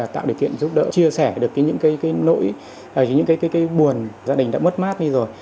tạo điều kiện giúp đỡ chia sẻ được những cái nỗi những cái buồn gia đình đã mất mát đi rồi